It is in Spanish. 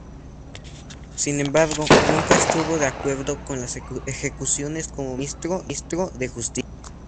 Sin embargo, nunca estuvo de acuerdo con las ejecuciones como ministro de Justicia.